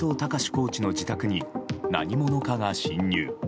コーチの自宅に何者かが侵入。